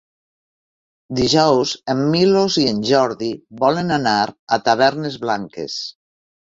Dijous en Milos i en Jordi volen anar a Tavernes Blanques.